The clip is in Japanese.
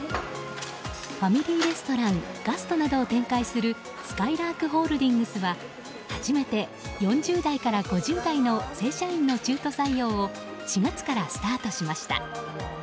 ファミリーレストランガストなどを展開するすかいらーくホールディングスは初めて４０代から５０代の正社員の中途採用を４月からスタートしました。